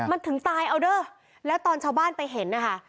มันถึงตายเอาเด้อแล้วตอนชาวบ้านไปเห็นนะคะ